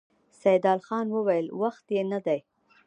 سيدال خان وويل: وخت يې نه دی؟